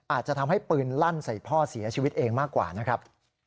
อาจจะทำให้ปืนลั่นใส่พ่อเสียชีวิตเองมากกว่านะครับ